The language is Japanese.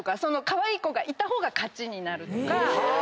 カワイイ子がいた方が勝ちになるとか。